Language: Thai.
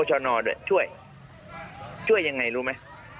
ยังไงคะ